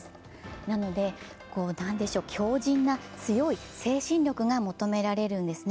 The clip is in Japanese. なので強じんな強い精神力が求められるんですね。